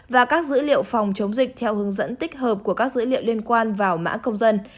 và các dữ liệu phòng chống dịch theo hướng dẫn tích hợp của các dữ liệu liên quan vào mã công dân